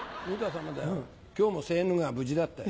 今日もセーヌ川無事だったよ。